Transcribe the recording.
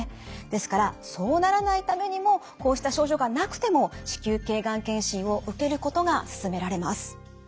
ですからそうならないためにもこうした症状がなくても子宮頸がん検診を受けることが勧められます。